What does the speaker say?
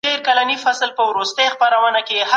چارواکي به خلګو ته ازادي ورکړي.